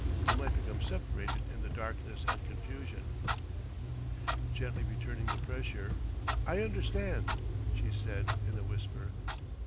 We might become separated in the darkness and confusion...." Gently returning the pressure, "I understand," she said in a whisper.